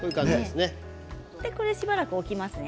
しばらく置きますね。